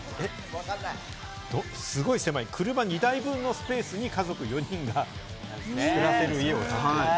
すごい狭い、車２台分のスペースに家族４人が暮らせる家を建てる？